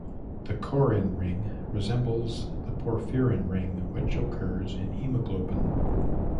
The corrin ring resembles the porphyrin ring, which occurs in hemoglobin.